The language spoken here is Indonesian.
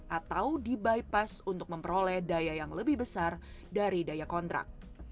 atau di bypass untuk memperoleh daya yang lebih besar dari daya kontrak